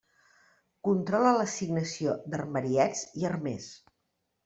Controla l'assignació d'armariets i armers.